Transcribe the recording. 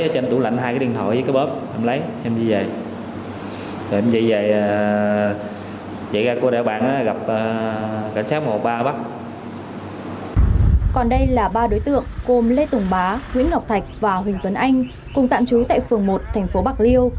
còn đây là ba đối tượng gồm lê tùng bá nguyễn ngọc thạch và huỳnh tuấn anh cùng tạm trú tại phường một thành phố bạc liêu